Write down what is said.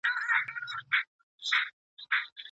د لاس لیکنه د ټولنیز مسؤلیت د ادا کولو وسیله ده.